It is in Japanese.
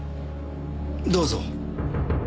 どうぞ。